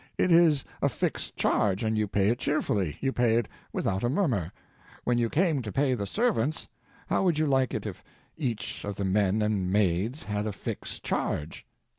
It is a fixed charge, and you pay it cheerfully, you pay it without a murmur. When you came to pay the servants, how would you like it if each of the men and maids had a fixed charge?